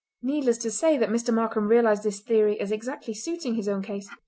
Needless to say that Mr. Markam realised this theory as exactly suiting his own case.